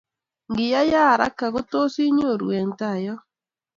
Ngiyaya haraka kotos inyoru eng tai yo